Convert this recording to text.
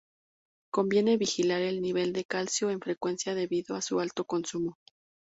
Conviene vigilar el nivel de calcio con frecuencia debido a su alto consumo.